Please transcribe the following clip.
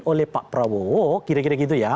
oleh pak prabowo kira kira gitu ya